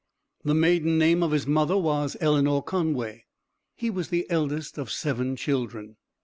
The maiden name of his mother was Eleanor Conway. He was the eldest of seven children.